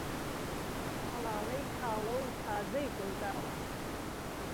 ههڵالەی کاڵه و تازەی گوڵ داوه